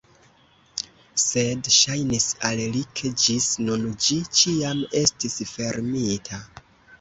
Sed ŝajnis al li, ke ĝis nun ĝi ĉiam estis fermita.